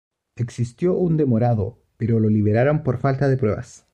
Existió un demorado pero lo liberaron por falta de pruebas.